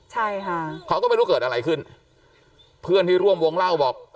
ใช่ค่ะเขาก็ไม่รู้เกิดอะไรขึ้นเพื่อนที่ร่วมวงเล่าบอก